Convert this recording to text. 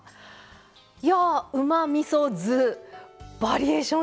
いやぁうまみそ酢バリエーション